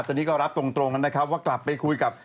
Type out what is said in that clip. ตอนนี้ก็รับตรงนะครับว่ากลับไปคุยกับ